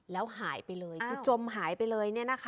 แล้วหายไปเลยคือจมหายไปเลย